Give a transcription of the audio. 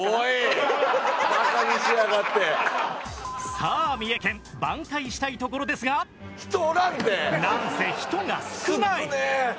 さあ三重県挽回したいところですがなんせ人が少ない！